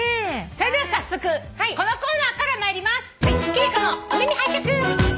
それでは早速このコーナーから参ります。